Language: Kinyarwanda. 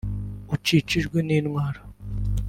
ukikijwe n’intwaro